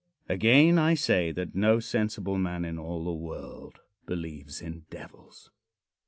Again, I say that no sensible man in all the world believes in devils.